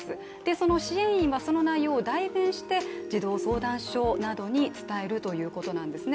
その支援員が、その内容を代弁して児童相談所などに伝えるということなんですね